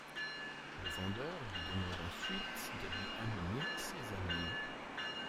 Le vendeur lui demande ensuite de lui amener ses amis.